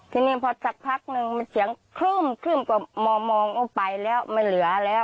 ทีนี้พอสักพักหนึ่งมันเสียงขึ้มขึ้มกว่ามองมองออกไปแล้วไม่เหลือแล้ว